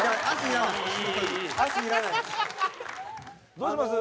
どうします？